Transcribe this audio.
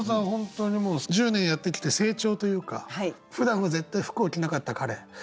本当にもう１０年やってきて成長というかふだんは絶対服を着なかった彼。